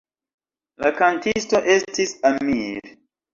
La kantisto estis Amir.